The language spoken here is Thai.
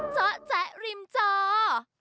เจ้าแจ๊ริมเจ้า